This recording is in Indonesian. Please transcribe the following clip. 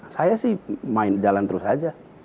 saya sih jalan terus saja